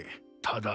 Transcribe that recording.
ただ？